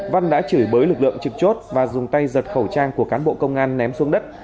văn đã chửi bới lực lượng trực chốt và dùng tay giật khẩu trang của cán bộ công an ném xuống đất